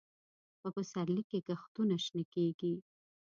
په پسرلي کې کښتونه شنه کېږي.